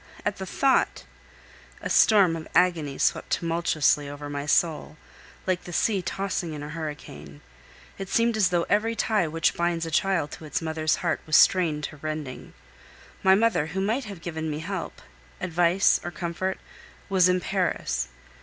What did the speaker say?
At the thought, a storm of agony swept tumultuously over my soul, like the sea tossing in a hurricane. It seemed as though every tie which binds a child to its mother's heart was strained to rending. My mother, who might have given me help, advice, or comfort, was in Paris.